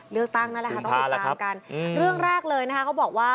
เลือกตั้งน่ะต้องหยุดตามกันเรื่องแรกเลยนะคะเขาบอกว่า